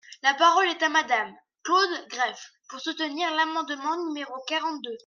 La parole est à Madame Claude Greff, pour soutenir l’amendement numéro quarante-deux.